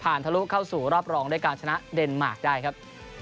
ทะลุเข้าสู่รอบรองด้วยการชนะเดนมาร์คได้ครับ